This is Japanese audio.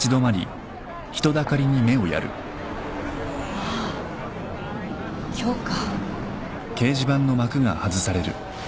・ああ今日か。